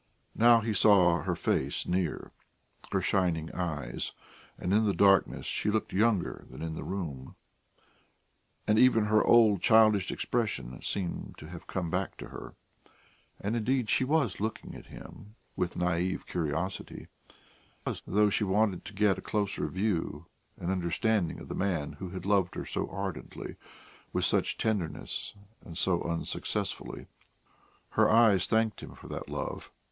Now he saw her face near, her shining eyes, and in the darkness she looked younger than in the room, and even her old childish expression seemed to have come back to her. And indeed she was looking at him with naïve curiosity, as though she wanted to get a closer view and understanding of the man who had loved her so ardently, with such tenderness, and so unsuccessfully; her eyes thanked him for that love.